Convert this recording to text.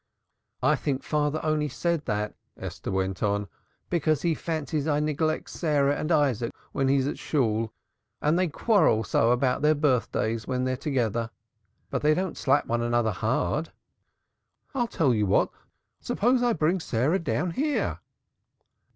"I think father only said that," Esther went on, "because he fancies I neglect Sarah and Isaac when he's at Shool and they quarrel so about their birthdays when they're together. But they don't slap one another hard. I'll tell you what! Suppose I bring Sarah down here!"